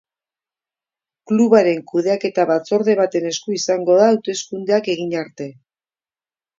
Klubaren kudeaketa batzorde baten esku izango da hauteskundeak egin arte.